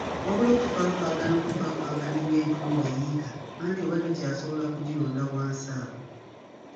Wabula okufaafaagana obufaafaaganyi ng'entungo eyiika anti oba tokyasobola kugironda wansi awo.